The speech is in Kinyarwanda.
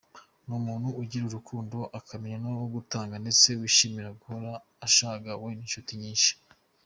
Ni umuntu ugira urukundo akamenya no kurutanga ndetse wishimira guhora ashagawe n’inshuti nyinshi.